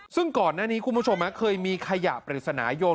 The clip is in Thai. ซึ่งก่อนหน้านี้คุณผู้ชมเคยมีขยะปริศนายน